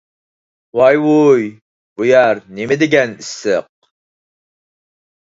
ۋاي-ۋۇي، بۇ يەر نېمىدېگەن ئىسسىق!